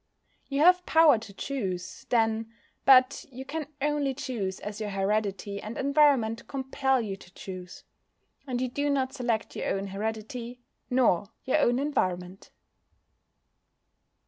You have power to choose, then, but you can only choose as your heredity and environment compel you to choose. And you do not select your own heredity nor your own environment.